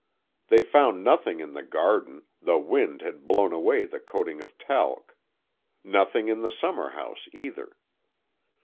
They found nothing in the garden, the wind had blown away the coating of talc; nothing in the summer house either.